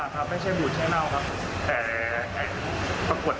ครับไม่ใช่บูดไม่ใช่เน่าครับ